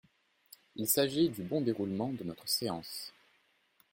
Il s’agit du bon déroulement de notre séance.